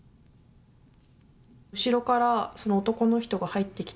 後ろからその男の人が入ってきて。